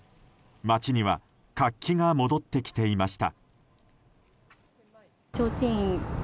街には活気が戻ってきていました。